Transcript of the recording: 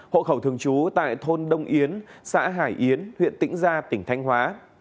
hộ khẩu thường trú tại thôn đông yến xã hải yến huyện tĩnh gia tỉnh thanh hóa